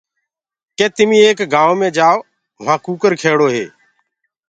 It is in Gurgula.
ڪي تمي ڪي ايڪ گآئوُنٚ مي جآئو وهآنٚ ڪٚڪر کيڙو هي۔